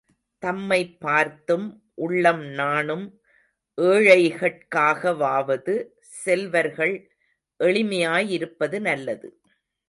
தம்மைப் பார்த்து உள்ளம் நாணும் ஏழைகட்காகவாவது செல்வர்கள் எளிமையாய் இருப்பது நல்லது.